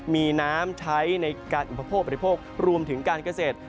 มีน้ำใช้ในการอุปโภคบริโภครวมถึงการเกษตร